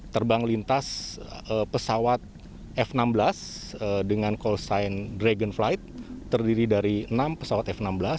terbang lintas pesawat f enam belas dengan call sign dragon flight terdiri dari enam pesawat f enam belas